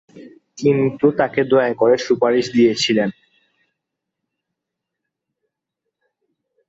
কিন্তু তাকে দয়া করার সুপারিশ দিয়েছিলেন।